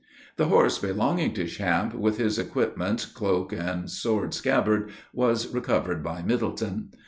The horse belonging to Champe, with his equipments, cloak, and sword scabbard, was recovered by Middleton.